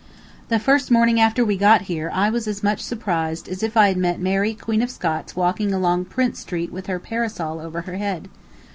The first morning after we got here I was as much surprised as if I had met Mary Queen of Scots walking along Prince Street with a parasol over her head.